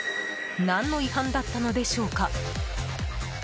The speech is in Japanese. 何の違反だったのでしょうか。